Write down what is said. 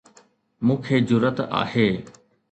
مون کي جرئت آهي.